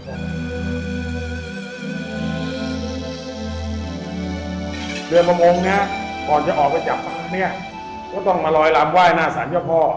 โดยบางองค์ก่อนจะออกไปจับป่าก็ต้องมาลอยรามไหว้หน้าสันเจ้าพ่อ